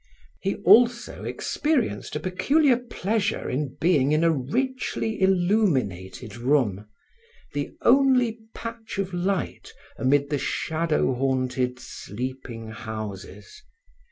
He also experienced a peculiar pleasure in being in a richly illuminated room, the only patch of light amid the shadow haunted, sleeping houses.